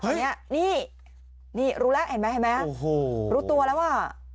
อันนี้นี่รู้แล้วเห็นไหมเห็นไหมโอ้โหรู้ตัวแล้วอ่ะ